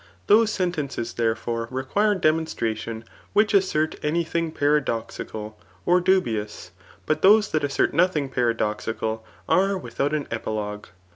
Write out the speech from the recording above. Those sentences, therefore, re quirie demonstration, which assert any thing paradoxical, or dubious; but those that assert nothing paradoxica), are without an epilogue.